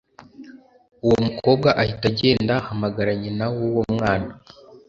Uwo mukobwa ahita agenda ahamagara nyina wuwo mwana